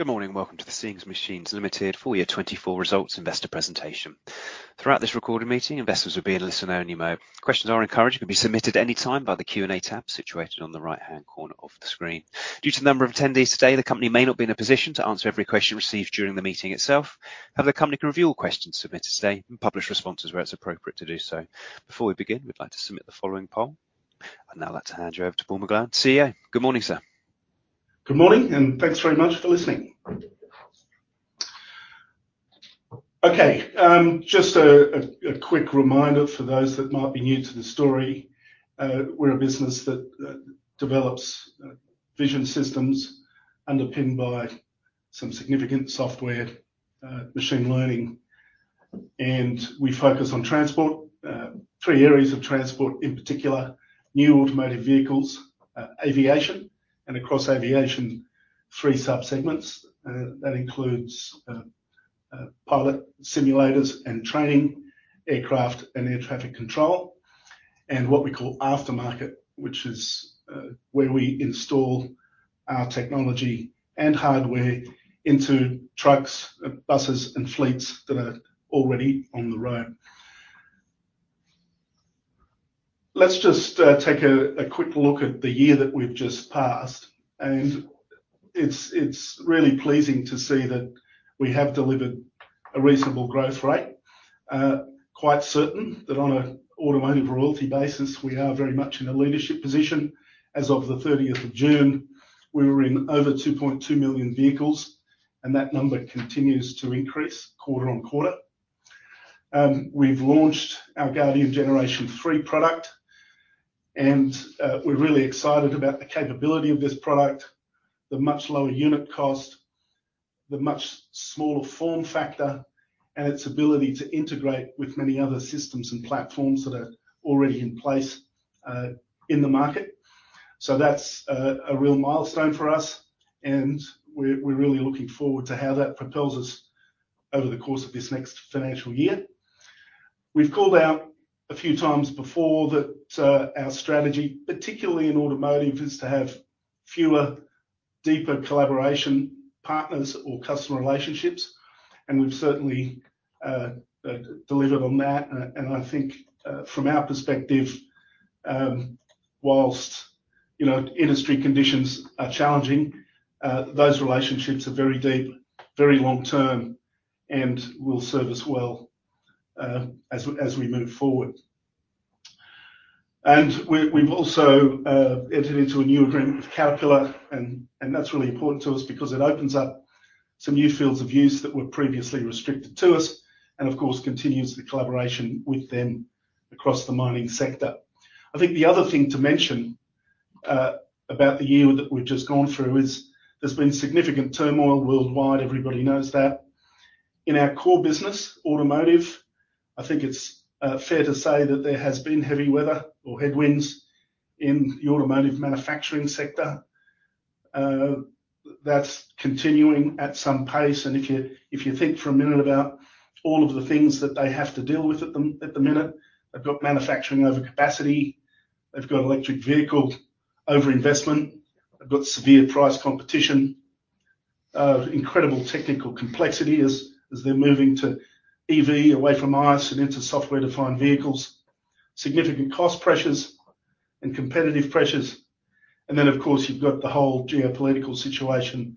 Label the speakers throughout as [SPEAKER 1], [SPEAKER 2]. [SPEAKER 1] Good morning and welcome to the Seeing Machines Ltd's full year 2024 results investor presentation. Throughout this recorded meeting, investors will be in a listen-only mode. Questions are encouraged and can be submitted at any time by the Q&A tab situated on the right-hand corner of the screen. Due to the number of attendees today, the company may not be in a position to answer every question received during the meeting itself. However, the company can review all questions submitted today and publish responses where it's appropriate to do so. Before we begin, we'd like to submit the following poll, and now I'd like to hand you over to Paul McGlone, CEO. Good morning, sir.
[SPEAKER 2] Good morning, and thanks very much for listening. Okay, just a quick reminder for those that might be new to the story. We're a business that develops vision systems underpinned by some significant software machine learning, and we focus on transport, three areas of transport in particular: new automotive vehicles, aviation, and across aviation, three subsegments. That includes pilot simulators and training, aircraft and air traffic control, and what we call aftermarket, which is where we install our technology and hardware into trucks, buses, and fleets that are already on the road. Let's just take a quick look at the year that we've just passed, and it's really pleasing to see that we have delivered a reasonable growth rate. Quite certain that on an automotive royalty basis, we are very much in a leadership position. As of the 30th of June, we were in over 2.2 million vehicles, and that number continues to increase quarter on quarter. We've launched our Guardian Generation 3 product, and we're really excited about the capability of this product, the much lower unit cost, the much smaller form factor, and its ability to integrate with many other systems and platforms that are already in place in the market. So that's a real milestone for us, and we're really looking forward to how that propels us over the course of this next financial year. We've called out a few times before that our strategy, particularly in automotive, is to have fewer, deeper collaboration partners or customer relationships, and we've certainly delivered on that. And I think from our perspective, whilst industry conditions are challenging, those relationships are very deep, very long-term, and will serve us well as we move forward. We've also entered into a new agreement with Caterpillar, and that's really important to us because it opens up some new fields of use that were previously restricted to us and, of course, continues the collaboration with them across the mining sector. I think the other thing to mention about the year that we've just gone through is there's been significant turmoil worldwide. Everybody knows that. In our core business, automotive, I think it's fair to say that there has been heavy weather or headwinds in the automotive manufacturing sector. That's continuing at some pace. And if you think for a minute about all of the things that they have to deal with at the minute, they've got manufacturing over capacity, they've got electric vehicle over-investment, they've got severe price competition, incredible technical complexity as they're moving to EV away from ICE and into software-defined vehicles, significant cost pressures and competitive pressures. And then, of course, you've got the whole geopolitical situation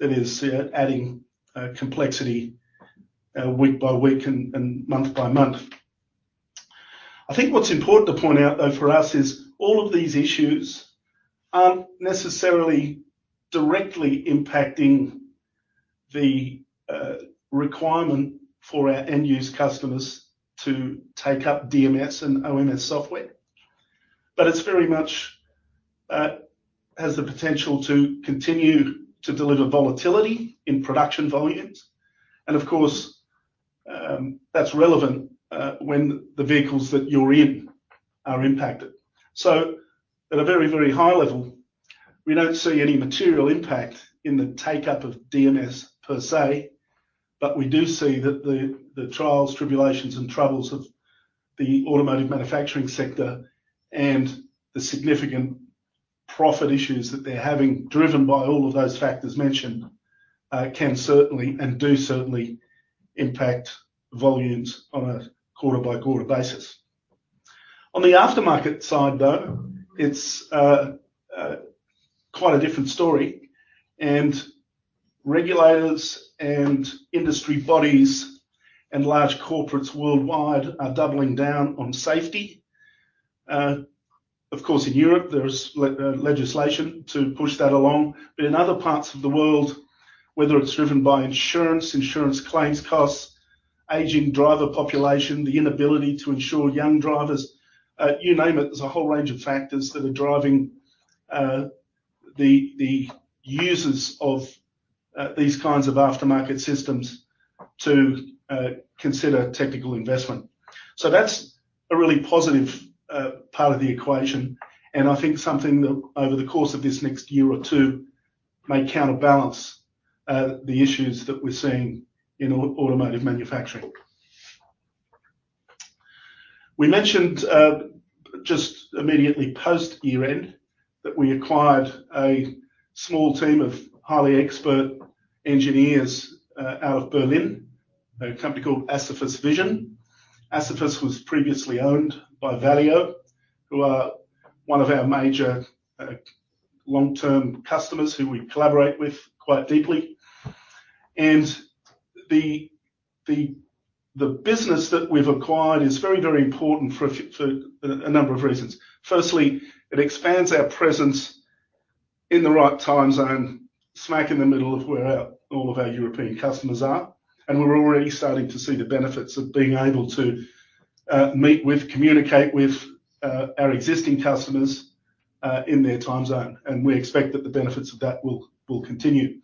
[SPEAKER 2] that is adding complexity week by week and month by month. I think what's important to point out, though, for us is all of these issues aren't necessarily directly impacting the requirement for our end-use customers to take up DMS and OMS software, but it very much has the potential to continue to deliver volatility in production volumes. And, of course, that's relevant when the vehicles that you're in are impacted. So at a very, very high level, we don't see any material impact in the take-up of DMS per se, but we do see that the trials, tribulations, and troubles of the automotive manufacturing sector and the significant profit issues that they're having, driven by all of those factors mentioned, can certainly and do certainly impact volumes on a quarter-by-quarter basis. On the aftermarket side, though, it's quite a different story, and regulators and industry bodies and large corporates worldwide are doubling down on safety. Of course, in Europe, there's legislation to push that along, but in other parts of the world, whether it's driven by insurance, insurance claims costs, aging driver population, the inability to ensure young drivers, you name it, there's a whole range of factors that are driving the users of these kinds of aftermarket systems to consider technical investment. So that's a really positive part of the equation, and I think something that over the course of this next year or two may counterbalance the issues that we're seeing in automotive manufacturing. We mentioned just immediately post-year-end that we acquired a small team of highly expert engineers out of Berlin, a company called Asaphus Vision. Asaphus was previously owned by Valeo, who are one of our major long-term customers who we collaborate with quite deeply. And the business that we've acquired is very, very important for a number of reasons. Firstly, it expands our presence in the right time zone, smack in the middle of where all of our European customers are, and we're already starting to see the benefits of being able to meet with, communicate with our existing customers in their time zone, and we expect that the benefits of that will continue.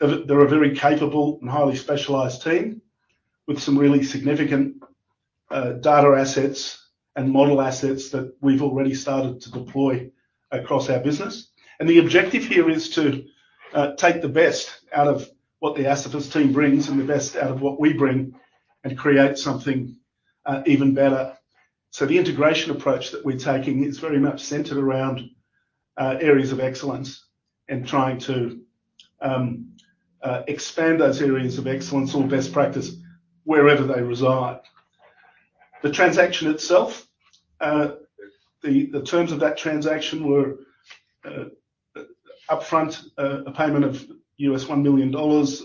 [SPEAKER 2] They're a very capable and highly specialized team with some really significant data assets and model assets that we've already started to deploy across our business. The objective here is to take the best out of what the Asaphus team brings and the best out of what we bring and create something even better. The integration approach that we're taking is very much centered around areas of excellence and trying to expand those areas of excellence or best practice wherever they reside. The transaction itself, the terms of that transaction were upfront a payment of $1 million,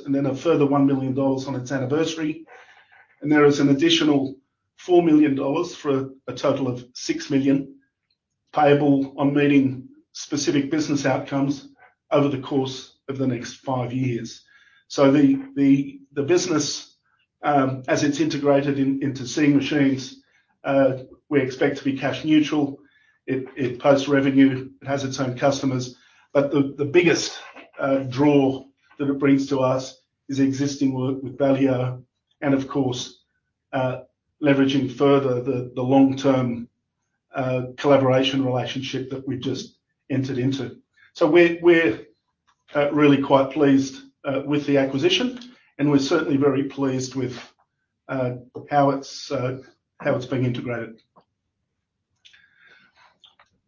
[SPEAKER 2] and then a further $1 million on its anniversary, and there is an additional $4 million for a total of $6 million payable on meeting specific business outcomes over the course of the next five years. The business, as it's integrated into Seeing Machines, we expect to be cash neutral. It posts revenue, it has its own customers, but the biggest draw that it brings to us is existing work with Valeo and, of course, leveraging further the long-term collaboration relationship that we've just entered into, so we're really quite pleased with the acquisition, and we're certainly very pleased with how it's being integrated.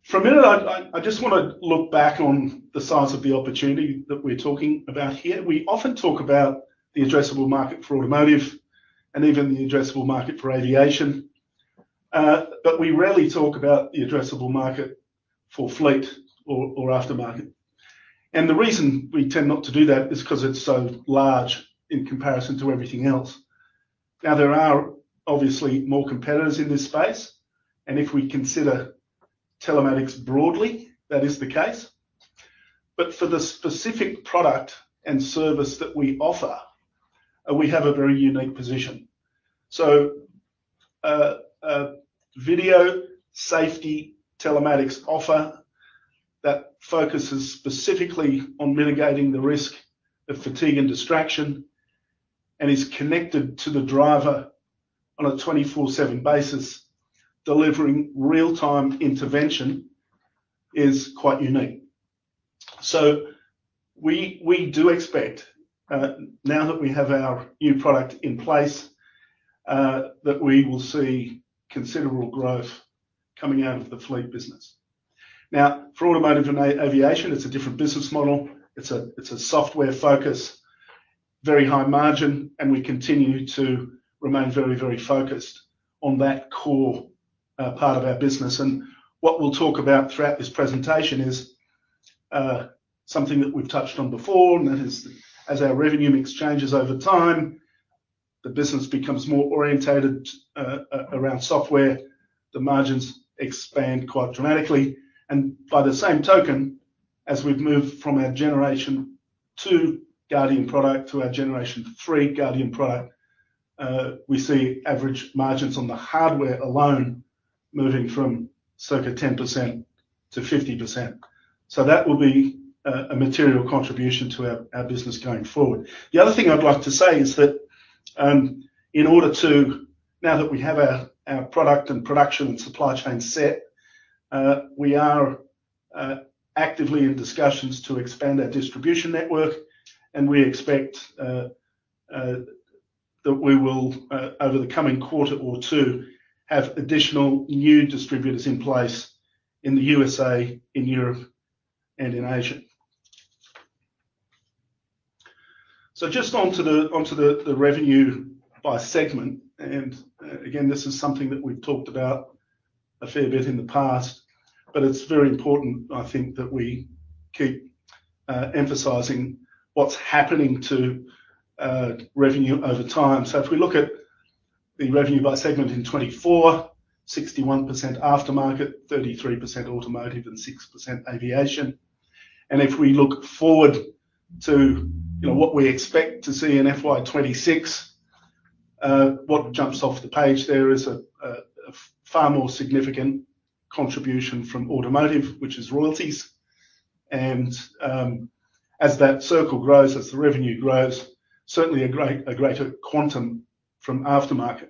[SPEAKER 2] For a minute, I just want to look back on the size of the opportunity that we're talking about here. We often talk about the addressable market for automotive and even the addressable market for aviation, but we rarely talk about the addressable market for fleet or aftermarket, and the reason we tend not to do that is because it's so large in comparison to everything else. Now, there are obviously more competitors in this space, and if we consider telematics broadly, that is the case. But for the specific product and service that we offer, we have a very unique position. So video safety telematics offer that focuses specifically on mitigating the risk of fatigue and distraction and is connected to the driver on a 24/7 basis, delivering real-time intervention is quite unique. So we do expect, now that we have our new product in place, that we will see considerable growth coming out of the fleet business. Now, for automotive and aviation, it's a different business model. It's a software-focused, very high margin, and we continue to remain very, very focused on that core part of our business. And what we'll talk about throughout this presentation is something that we've touched on before, and that is as our revenue mix changes over time, the business becomes more oriented around software, the margins expand quite dramatically. By the same token, as we've moved from our generation two Guardian product to our generation three Guardian product, we see average margins on the hardware alone moving from circa 10% to 50%. That will be a material contribution to our business going forward. The other thing I'd like to say is that in order to, now that we have our product and production and supply chain set, we are actively in discussions to expand our distribution network, and we expect that we will, over the coming quarter or two, have additional new distributors in place in the USA, in Europe, and in Asia. Just onto the revenue by segment, and again, this is something that we've talked about a fair bit in the past, but it's very important, I think, that we keep emphasising what's happening to revenue over time. If we look at the revenue by segment in 2024, 61% aftermarket, 33% automotive, and 6% aviation. And if we look forward to what we expect to see in FY26, what jumps off the page there is a far more significant contribution from automotive, which is royalties. And as that circle grows, as the revenue grows, certainly a greater quantum from aftermarket.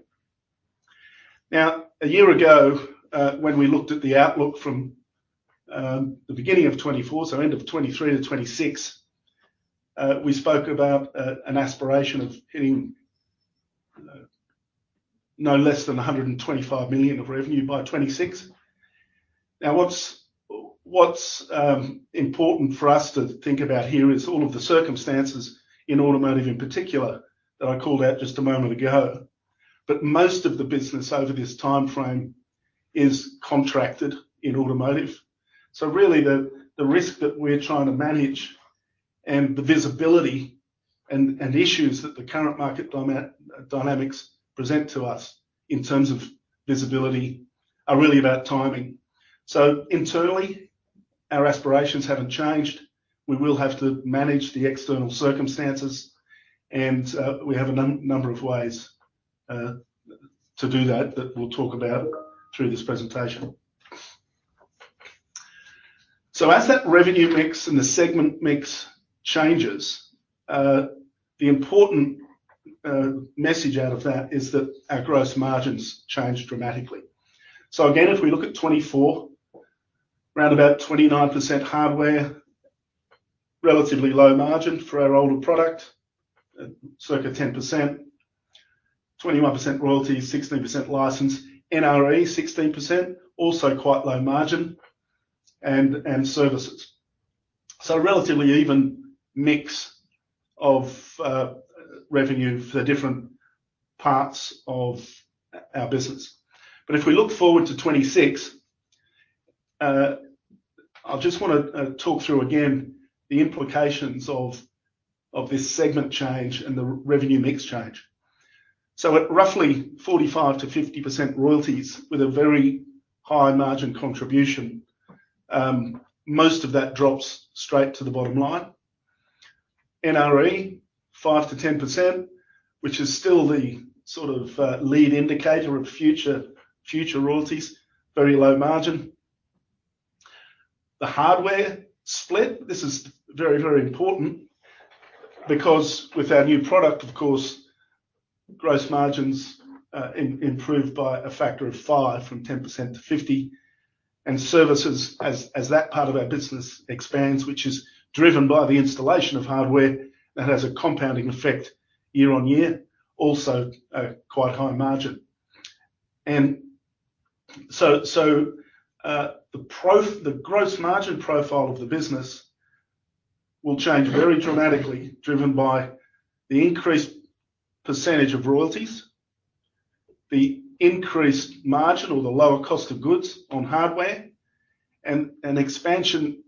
[SPEAKER 2] Now, a year ago, when we looked at the outlook from the beginning of 2024, so end of 2023 to 2026, we spoke about an aspiration of hitting no less than 125 million of revenue by 2026. Now, what's important for us to think about here is all of the circumstances in automotive in particular that I called out just a moment ago. But most of the business over this timeframe is contracted in automotive. So really, the risk that we're trying to manage and the visibility and issues that the current market dynamics present to us in terms of visibility are really about timing. So internally, our aspirations haven't changed. We will have to manage the external circumstances, and we have a number of ways to do that that we'll talk about through this presentation. So as that revenue mix and the segment mix changes, the important message out of that is that our gross margins changed dramatically. So again, if we look at 2024, round about 29% hardware, relatively low margin for our older product, circa 10%, 21% royalties, 16% license, NRE, 16%, also quite low margin, and services. So a relatively even mix of revenue for different parts of our business. But if we look forward to 2026, I just want to talk through again the implications of this segment change and the revenue mix change. So at roughly 45%-50% royalties with a very high margin contribution, most of that drops straight to the bottom line. NRE, 5%-10%, which is still the sort of lead indicator of future royalties, very low margin. The hardware split, this is very, very important because with our new product, of course, gross margins improved by a factor of 5 from 10% to 50%. And services, as that part of our business expands, which is driven by the installation of hardware, that has a compounding effect year on year, also quite high margin. The gross margin profile of the business will change very dramatically, driven by the increased percentage of royalties, the increased margin or the lower cost of goods on hardware, and an expansion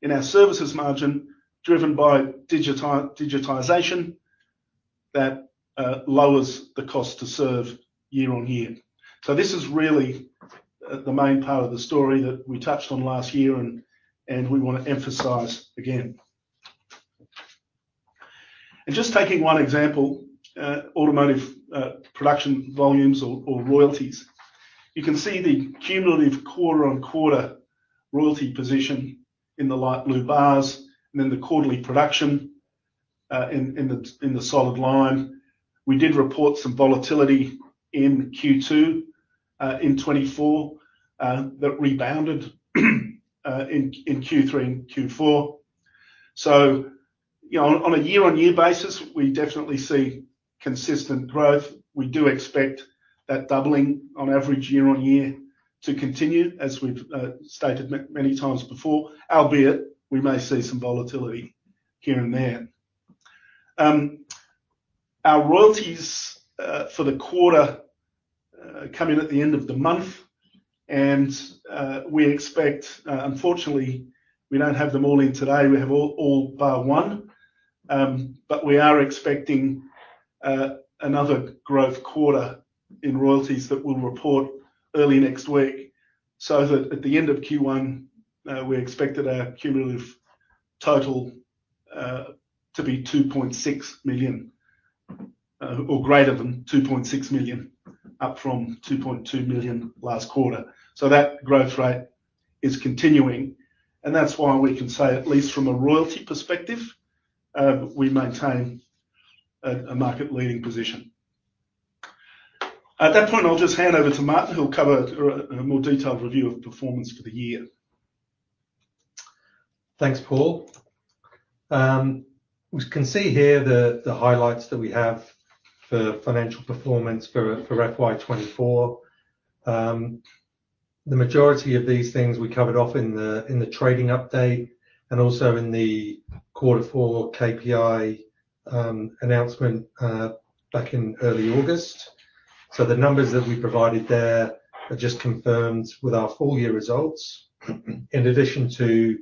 [SPEAKER 2] in our services margin driven by digitization that lowers the cost to serve year on year. So this is really the main part of the story that we touched on last year, and we want to emphasize again. And just taking one example, automotive production volumes or royalties, you can see the cumulative quarter-on-quarter royalty position in the light blue bars, and then the quarterly production in the solid line. We did report some volatility in Q2 in 2024 that rebounded in Q3 and Q4. So on a year-on-year basis, we definitely see consistent growth. We do expect that doubling on average year on year to continue, as we've stated many times before, albeit we may see some volatility here and there. Our royalties for the quarter come in at the end of the month, and we expect, unfortunately, we don't have them all in today. We have all bar one, but we are expecting another growth quarter in royalties that we'll report early next week. So that at the end of Q1, we expected our cumulative total to be 2.6 million or greater than 2.6 million, up from 2.2 million last quarter. So that growth rate is continuing, and that's why we can say, at least from a royalty perspective, we maintain a market-leading position. At that point, I'll just hand over to Martin, who'll cover a more detailed review of performance for the year.
[SPEAKER 3] Thanks, Paul. We can see here the highlights that we have for financial performance for FY24. The majority of these things we covered off in the trading update and also in the quarter four KPI announcement back in early August. So the numbers that we provided there are just confirmed with our full year results, in addition to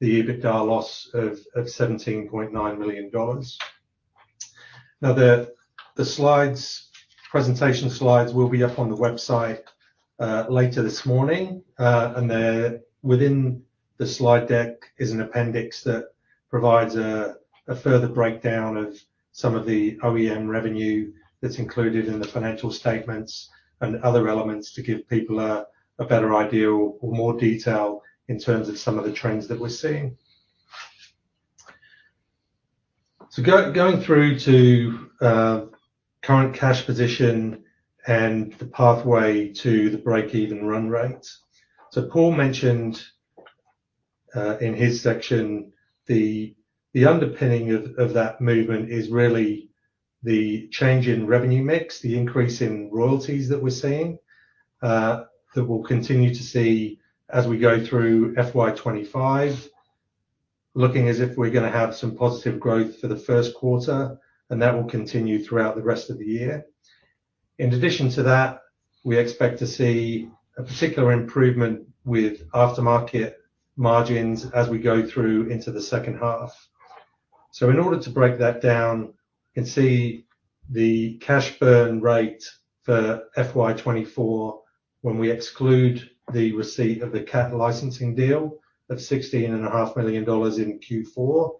[SPEAKER 3] the EBITDA loss of $17.9 million. Now, the slides, presentation slides, will be up on the website later this morning, and within the slide deck is an appendix that provides a further breakdown of some of the OEM revenue that's included in the financial statements and other elements to give people a better idea or more detail in terms of some of the trends that we're seeing. So going through to current cash position and the pathway to the break-even run rates. Paul mentioned in his section the underpinning of that movement is really the change in revenue mix, the increase in royalties that we're seeing, that we'll continue to see as we go through FY25, looking as if we're going to have some positive growth for the first quarter, and that will continue throughout the rest of the year. In addition to that, we expect to see a particular improvement with aftermarket margins as we go through into the second half. In order to break that down, you can see the cash burn rate for FY24, when we exclude the receipt of the CAT licensing deal of $16.5 million in Q4,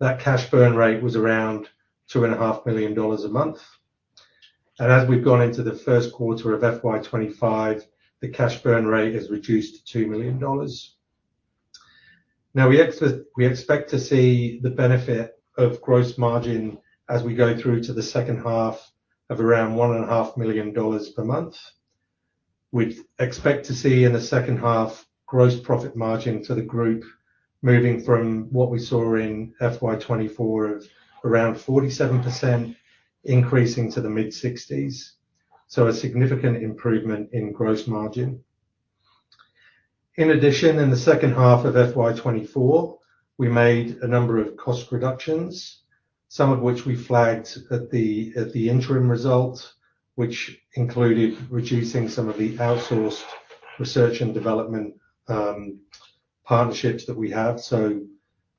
[SPEAKER 3] that cash burn rate was around $2.5 million a month, and as we've gone into the first quarter of FY25, the cash burn rate has reduced to $2 million. Now, we expect to see the benefit of gross margin as we go through to the second half of around $1.5 million per month. We expect to see in the second half gross profit margin for the group moving from what we saw in FY24 of around 47%, increasing to the mid-60s. So a significant improvement in gross margin. In addition, in the second half of FY24, we made a number of cost reductions, some of which we flagged at the interim results, which included reducing some of the outsourced research and development partnerships that we have. So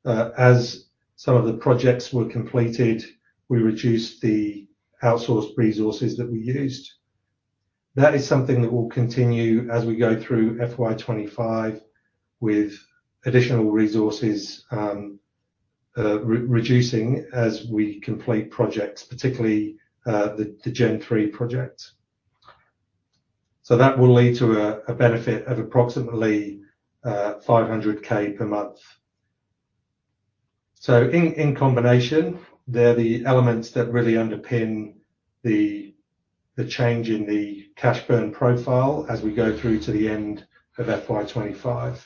[SPEAKER 3] as some of the projects were completed, we reduced the outsourced resources that we used. That is something that will continue as we go through FY25, with additional resources reducing as we complete projects, particularly the Gen3 projects. So that will lead to a benefit of approximately $500,000 per month. So in combination, they're the elements that really underpin the change in the cash burn profile as we go through to the end of FY25.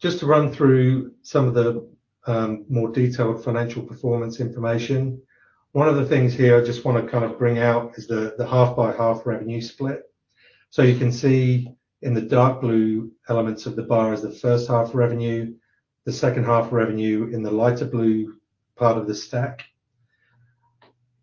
[SPEAKER 3] Just to run through some of the more detailed financial performance information, one of the things here I just want to kind of bring out is the half-by-half revenue split. So you can see in the dark blue elements of the bar is the first half revenue, the second half revenue in the lighter blue part of the stack.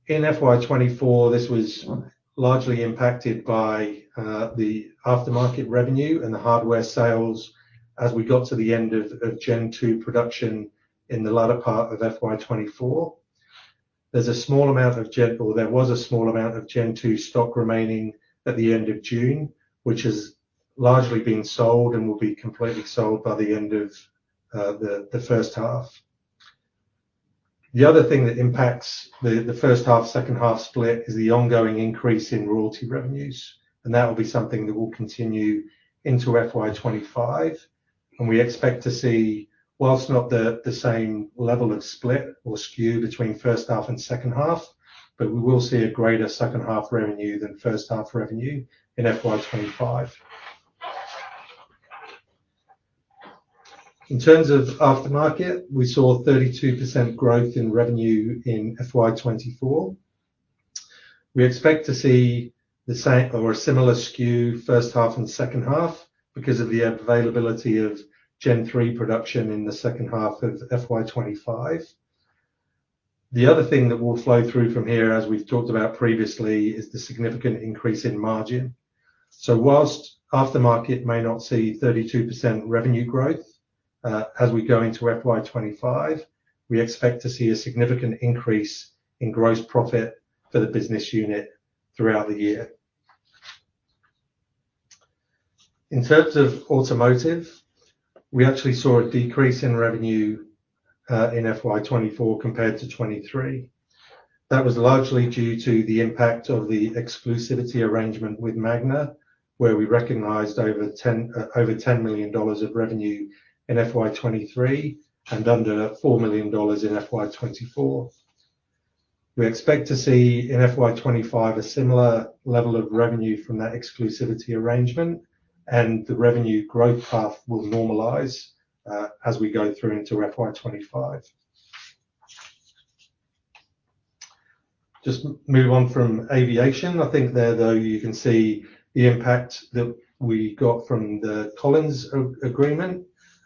[SPEAKER 3] In FY24, this was largely impacted by the aftermarket revenue and the hardware sales as we got to the end of Gen2 production in the latter part of FY24. There's a small amount of Gen or there was a small amount of Gen2 stock remaining at the end of June, which has largely been sold and will be completely sold by the end of the first half. The other thing that impacts the first half, second half split is the ongoing increase in royalty revenues, and that will be something that will continue into FY25, and we expect to see, whilst not the same level of split or skew between first half and second half, but we will see a greater second half revenue than first half revenue in FY25. In terms of aftermarket, we saw 32% growth in revenue in FY24. We expect to see the same or a similar skew, first half and second half, because of the availability of Gen3 production in the second half of FY25. The other thing that will flow through from here, as we've talked about previously, is the significant increase in margin. So while aftermarket may not see 32% revenue growth as we go into FY25, we expect to see a significant increase in gross profit for the business unit throughout the year. In terms of automotive, we actually saw a decrease in revenue in FY24 compared to 2023. That was largely due to the impact of the exclusivity arrangement with Magna, where we recognized over $10 million of revenue in FY23 and under $4 million in FY24. We expect to see in FY25 a similar level of revenue from that exclusivity arrangement, and the revenue growth path will normalize as we go through into FY25. Just move on from aviation. I think there, though, you can see the impact that we got from the Collins Agreement.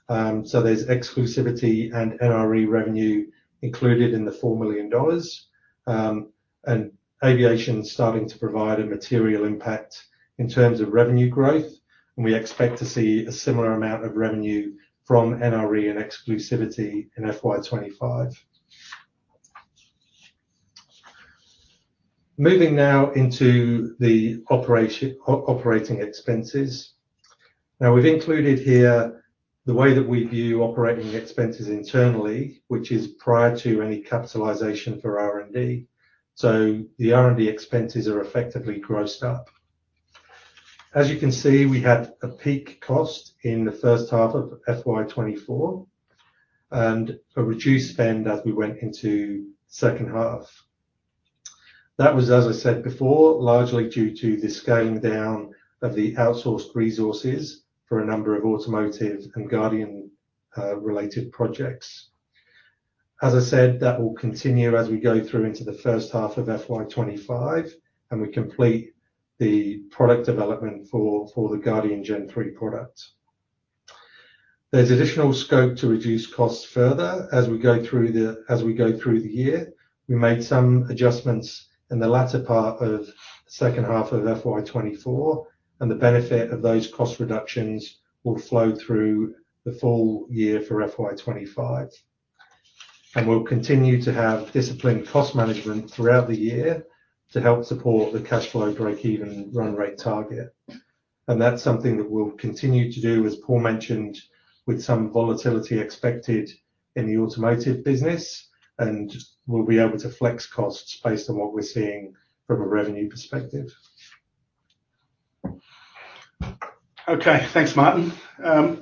[SPEAKER 3] There's exclusivity and NRE revenue included in the $4 million. Aviation is starting to provide a material impact in terms of revenue growth, and we expect to see a similar amount of revenue from NRE and exclusivity in FY25. Moving now into the operating expenses. Now, we've included here the way that we view operating expenses internally, which is prior to any capitalization for R&D. The R&D expenses are effectively grossed up. As you can see, we had a peak cost in the first half of FY24 and a reduced spend as we went into second half. That was, as I said before, largely due to the scaling down of the outsourced resources for a number of automotive and Guardian-related projects. As I said, that will continue as we go through into the first half of FY25, and we complete the product development for the Guardian Gen3 product. There's additional scope to reduce costs further as we go through the year. We made some adjustments in the latter part of the second half of FY24, and the benefit of those cost reductions will flow through the full year for FY25. And we'll continue to have disciplined cost management throughout the year to help support the cash flow break-even run rate target. And that's something that we'll continue to do, as Paul mentioned, with some volatility expected in the automotive business, and we'll be able to flex costs based on what we're seeing from a revenue perspective.
[SPEAKER 2] Okay, thanks, Martin. I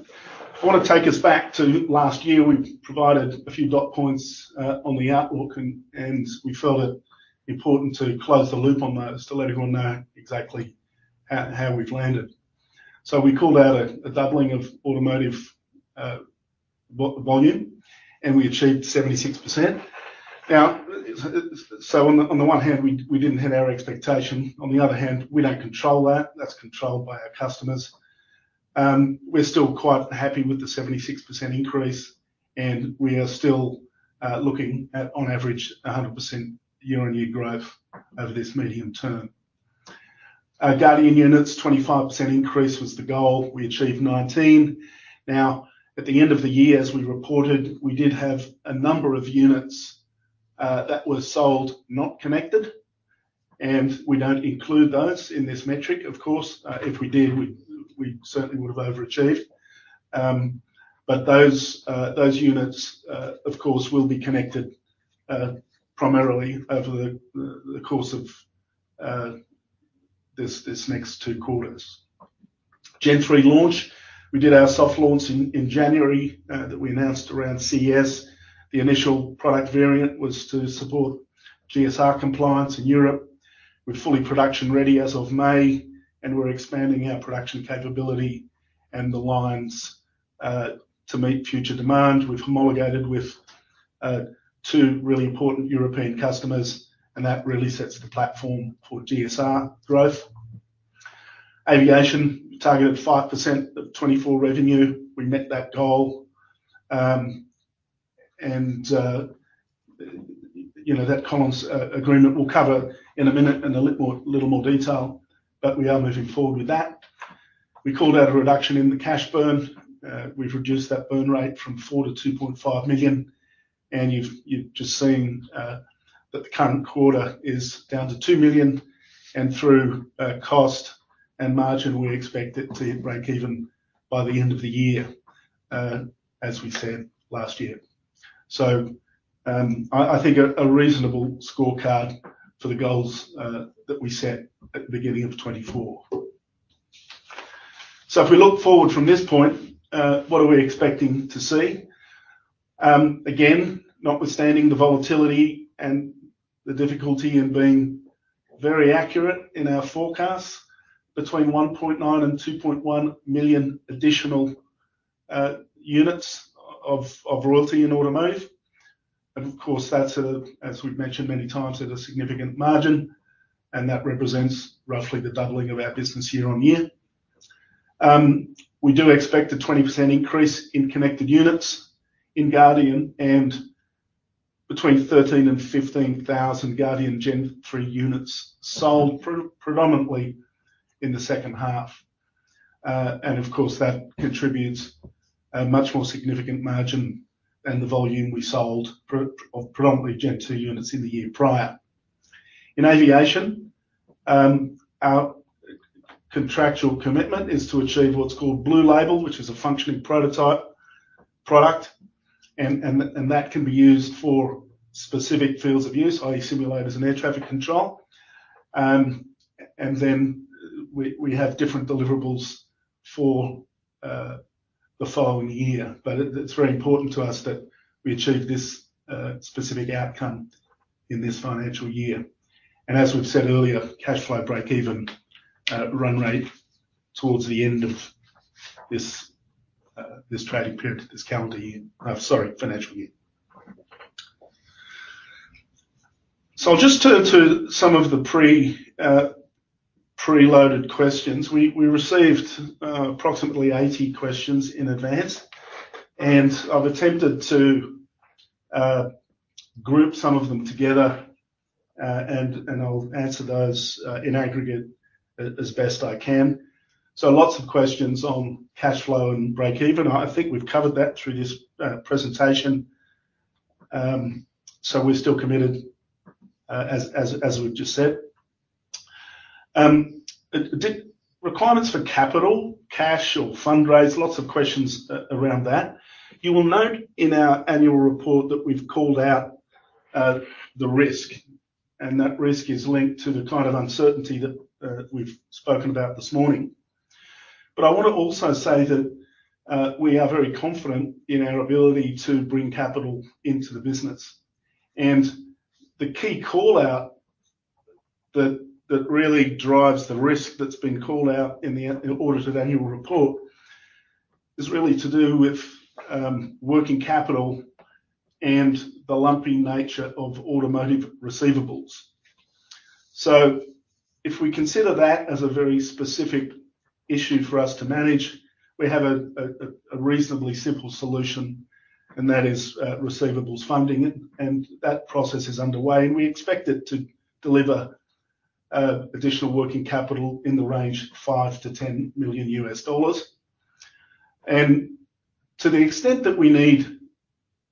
[SPEAKER 2] want to take us back to last year. We provided a few dot points on the outlook, and we felt it important to close the loop on those to let everyone know exactly how we've landed, so we called out a doubling of automotive volume, and we achieved 76%. Now, so on the one hand, we didn't hit our expectation. On the other hand, we don't control that. That's controlled by our customers. We're still quite happy with the 76% increase, and we are still looking at, on average, 100% year-on-year growth over this medium term. Guardian units, 25% increase was the goal. We achieved 19%. Now, at the end of the year, as we reported, we did have a number of units that were sold not connected, and we don't include those in this metric. Of course, if we did, we certainly would have overachieved. But those units, of course, will be connected primarily over the course of this next two quarters. Gen3 launch, we did our soft launch in January that we announced around CES. The initial product variant was to support GSR compliance in Europe. We're fully production ready as of May, and we're expanding our production capability and the lines to meet future demand. We've homologated with two really important European customers, and that really sets the platform for GSR growth. Aviation targeted 5% of 2024 revenue. We met that goal. And that Collins Agreement we'll cover in a minute in a little more detail, but we are moving forward with that. We called out a reduction in the cash burn. We've reduced that burn rate from $4 million to $2.5 million, and you've just seen that the current quarter is down to $2 million. Through cost and margin, we expect it to break even by the end of the year, as we said last year. I think a reasonable scorecard for the goals that we set at the beginning of 2024. If we look forward from this point, what are we expecting to see? Again, notwithstanding the volatility and the difficulty in being very accurate in our forecasts, between 1.9 and 2.1 million additional units of royalty in automotive. Of course, that's, as we've mentioned many times, at a significant margin, and that represents roughly the doubling of our business year-on-year. We do expect a 20% increase in connected units in Guardian and between 13 and 15,000 Guardian Gen3 units sold predominantly in the second half. Of course, that contributes a much more significant margin than the volume we sold of predominantly Gen2 units in the year prior. In aviation, our contractual commitment is to achieve what's called Blue Label, which is a functioning prototype product, and that can be used for specific fields of use, i.e., simulators and air traffic control. And then we have different deliverables for the following year, but it's very important to us that we achieve this specific outcome in this financial year. And as we've said earlier, cash flow break-even run rate towards the end of this trading period, this calendar year, sorry, financial year. So just to some of the pre-loaded questions, we received approximately 80 questions in advance, and I've attempted to group some of them together, and I'll answer those in aggregate as best I can. So lots of questions on cash flow and break-even. I think we've covered that through this presentation. So we're still committed, as we've just said. Requirements for capital, cash, or fundraise, lots of questions around that. You will note in our annual report that we've called out the risk, and that risk is linked to the kind of uncertainty that we've spoken about this morning. But I want to also say that we are very confident in our ability to bring capital into the business. And the key callout that really drives the risk that's been called out in the audited annual report is really to do with working capital and the lumpy nature of automotive receivables. So if we consider that as a very specific issue for us to manage, we have a reasonably simple solution, and that is receivables funding, and that process is underway, and we expect it to deliver additional working capital in the range of $5-$10 million. To the extent that we need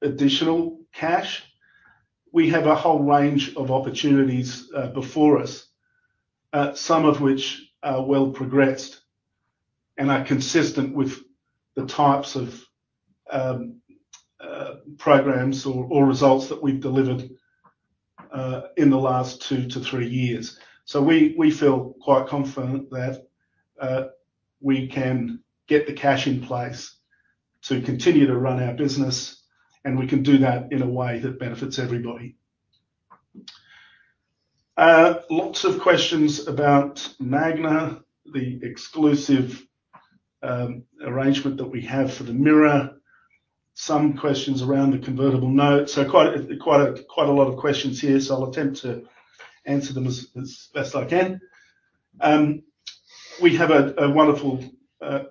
[SPEAKER 2] additional cash, we have a whole range of opportunities before us, some of which are well progressed and are consistent with the types of programs or results that we've delivered in the last two to three years. We feel quite confident that we can get the cash in place to continue to run our business, and we can do that in a way that benefits everybody. Lots of questions about Magna, the exclusive arrangement that we have for the mirror, some questions around the convertible note. Quite a lot of questions here, so I'll attempt to answer them as best I can. We have a wonderful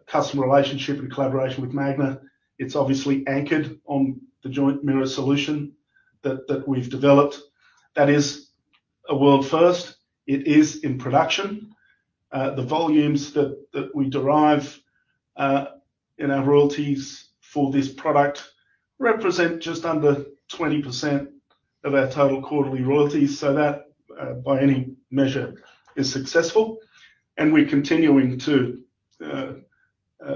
[SPEAKER 2] customer relationship and collaboration with Magna. It's obviously anchored on the joint mirror solution that we've developed. That is a world first. It is in production. The volumes that we derive in our royalties for this product represent just under 20% of our total quarterly royalties, so that by any measure is successful, and we're continuing to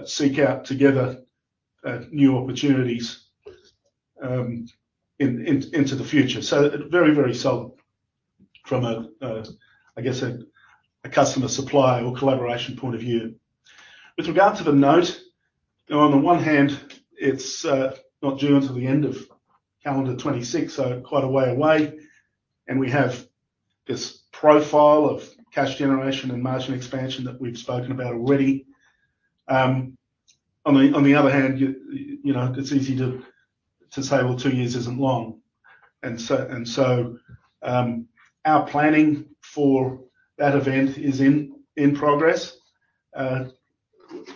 [SPEAKER 2] seek out together new opportunities into the future, so very, very solid from a, I guess, a customer supply or collaboration point of view. With regard to the note, on the one hand, it's not due until the end of calendar 2026, so quite a way away, and we have this profile of cash generation and margin expansion that we've spoken about already. On the other hand, it's easy to say, "Well, two years isn't long," and so our planning for that event is in progress.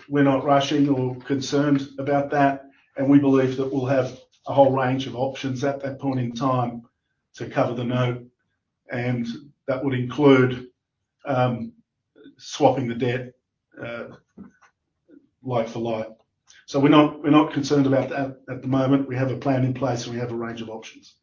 [SPEAKER 2] We're not rushing or concerned about that, and we believe that we'll have a whole range of options at that point in time to cover the note, and that would include swapping the debt life for life. So we're not concerned about that at the moment. We have a plan in place, and we have a range of options.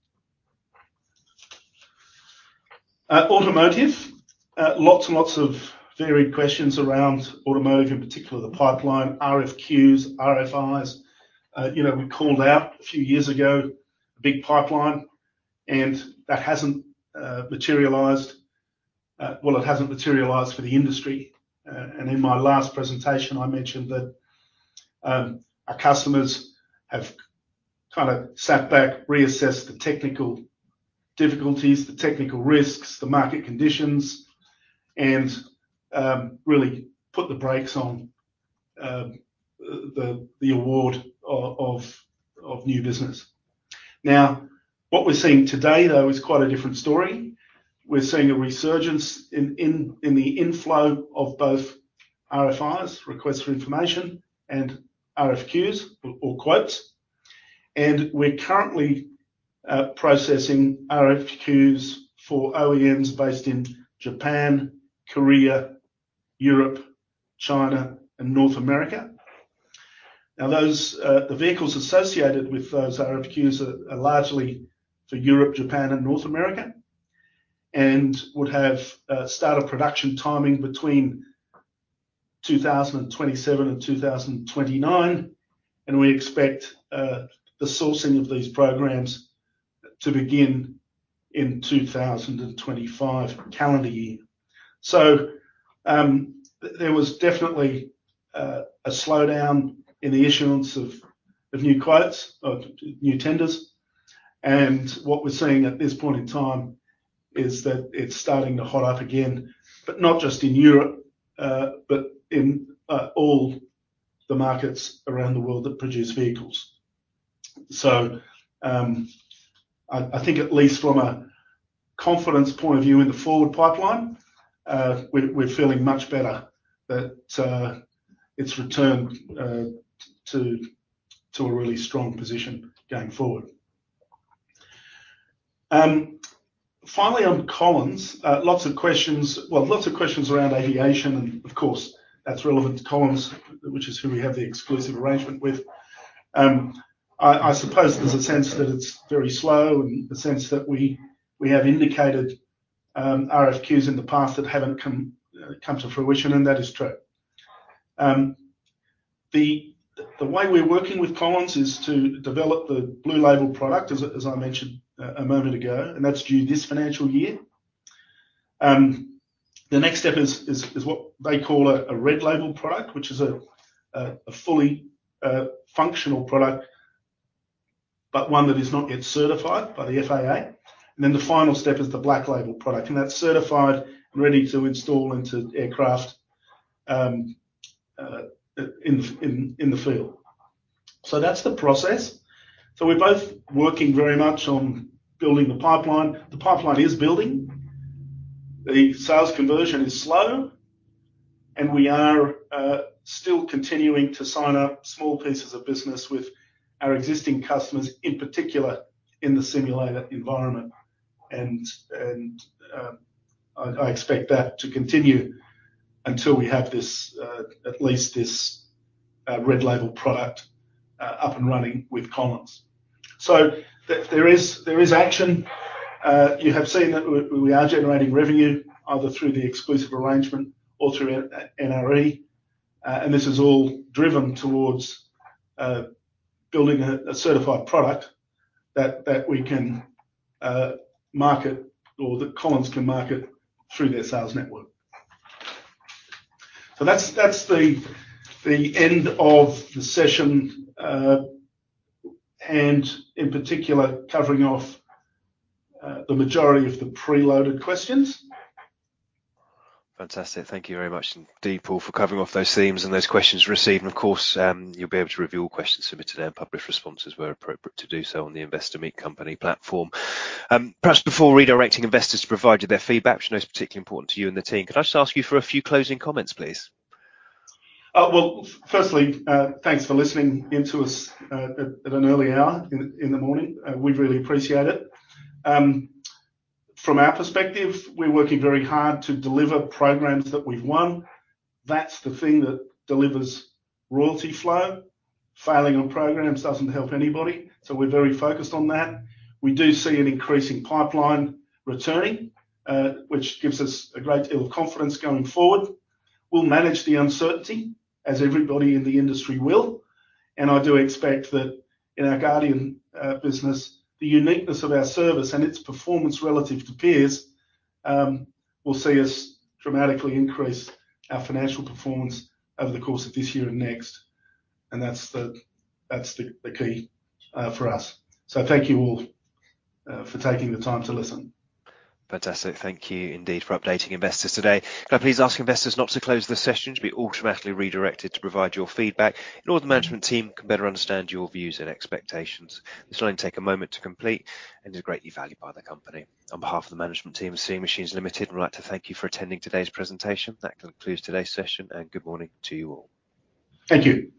[SPEAKER 2] Automotive, lots and lots of varied questions around automotive, in particular the pipeline, RFQs, RFIs. We called out a few years ago a big pipeline, and that hasn't materialized well, it hasn't materialized for the industry. And in my last presentation, I mentioned that our customers have kind of sat back, reassessed the technical difficulties, the technical risks, the market conditions, and really put the brakes on the award of new business. Now, what we're seeing today, though, is quite a different story. We're seeing a resurgence in the inflow of both RFIs, requests for information, and RFQs or quotes. And we're currently processing RFQs for OEMs based in Japan, Korea, Europe, China, and North America. Now, the vehicles associated with those RFQs are largely for Europe, Japan, and North America, and would have start-of-production timing between 2027 and 2029. And we expect the sourcing of these programs to begin in 2025 calendar year. So there was definitely a slowdown in the issuance of new quotes or new tenders. And what we're seeing at this point in time is that it's starting to hot up again, but not just in Europe, but in all the markets around the world that produce vehicles. So I think at least from a confidence point of view in the forward pipeline, we're feeling much better that it's returned to a really strong position going forward. Finally, on Collins, lots of questions well, lots of questions around aviation, and of course, that's relevant to Collins, which is who we have the exclusive arrangement with. I suppose there's a sense that it's very slow and a sense that we have indicated RFQs in the past that haven't come to fruition, and that is true. The way we're working with Collins is to develop the Blue Label product, as I mentioned a moment ago, and that's due this financial year. The next step is what they call a Red Label product, which is a fully functional product, but one that is not yet certified by the FAA. And then the final step is the Black Label product, and that's certified and ready to install into aircraft in the field. So that's the process. So we're both working very much on building the pipeline. The pipeline is building. The sales conversion is slow, and we are still continuing to sign up small pieces of business with our existing customers, in particular in the simulator environment. And I expect that to continue until we have at least this Red Label product up and running with Collins. So there is action. You have seen that we are generating revenue either through the exclusive arrangement or through NRE, and this is all driven towards building a certified product that we can market or that Collins can market through their sales network. So that's the end of the session, and in particular, covering off the majority of the pre-loaded questions. Fantastic.
[SPEAKER 1] Thank you very much indeed, Paul, for covering off those themes and those questions received. And of course, you'll be able to review all questions submitted and publish responses where appropriate to do so on the Investor Meet Company platform. Perhaps before redirecting investors to provide you their feedback, which I know is particularly important to you and the team, could I just ask you for a few closing comments, please?
[SPEAKER 2] Well, firstly, thanks for listening into us at an early hour in the morning. We really appreciate it. From our perspective, we're working very hard to deliver programs that we've won. That's the thing that delivers royalty flow. Failing on programs doesn't help anybody, so we're very focused on that. We do see an increasing pipeline returning, which gives us a great deal of confidence going forward. We'll manage the uncertainty, as everybody in the industry will. And I do expect that in our Guardian business, the uniqueness of our service and its performance relative to peers will see us dramatically increase our financial performance over the course of this year and next.
[SPEAKER 3] And that's the key for us. Thank you all for taking the time to listen. Fantastic.
[SPEAKER 1] Thank you indeed for updating investors today. Can I please ask investors not to close the session? You'll be automatically redirected to provide your feedback, in order that the management team can better understand your views and expectations. This will only take a moment to complete and is greatly valued by the company. On behalf of the management team of Seeing Machines Limited, I'd like to thank you for attending today's presentation. That concludes today's session, and good morning to you all.
[SPEAKER 2] Thank you.